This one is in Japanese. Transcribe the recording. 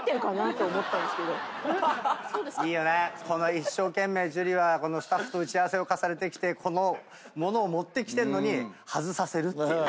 一生懸命樹はスタッフと打ち合わせを重ねてきてこの物を持ってきてんのに外させるっていうね。